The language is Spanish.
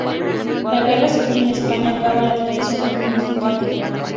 La Guerra Civil en España acaba con la tradición humorística anterior.